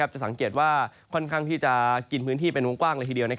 จะสังเกตว่าค่อนข้างที่จะกินพื้นที่เป็นวงกว้างเลยทีเดียว